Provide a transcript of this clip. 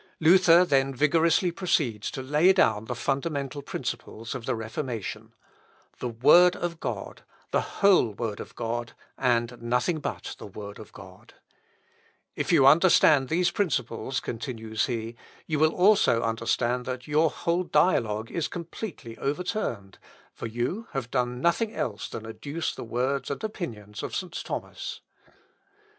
Luther then vigorously proceeds to lay down the fundamental principles of the Reformation, the word of God, the whole word of God, and nothing but the word of God. "If you understand these principles," continues he, "you will also understand that your whole dialogue is completely overturned; for you have done nothing else than adduce the words and opinions of St. Thomas."